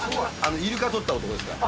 イルカ撮った男ですから。